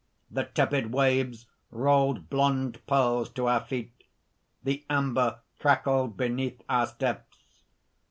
The tepid waves rolled blond pearls to our feet. The amber crackled beneath our steps.